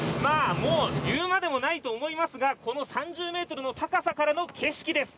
言うまでもないと思いますがこの３０ｍの高さからの景色です。